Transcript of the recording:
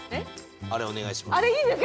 あれ、お願いします。